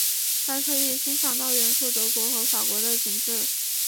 还可以欣赏到远处德国和法国的景致。